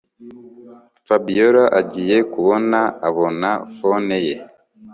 Fabiora agiye kubona abona phone ye